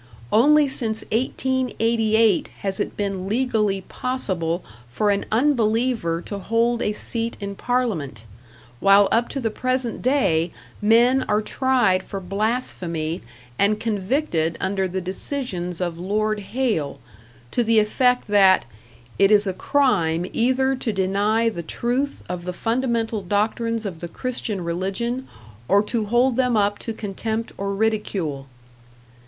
Only since 1888 has it been legally possible for an unbeliever to hold a seat in Parliament; while up to the present day men are tried for blasphemy and convicted under the decisions of Lord Hale, to the effect that "it is a crime either to deny the truth of the fundamental doctrines of the Christian religion or to hold them up to contempt or ridicule."